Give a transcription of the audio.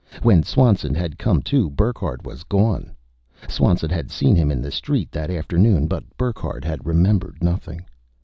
When Swanson had come to, Burckhardt was gone. Swanson had seen him in the street that afternoon, but Burckhardt had remembered nothing.